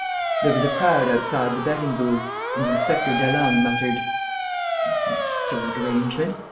There was a crowd outside the betting booths and Inspector Delangle muttered: "It's an absurd arrangement....